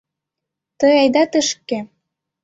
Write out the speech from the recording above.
Тый айда тышке.